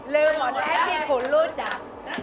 ลืมหมดแล้วที่คุณรู้จัก